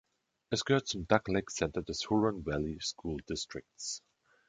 Es gehört zum Duck Lake Center des Huron Valley School Districts.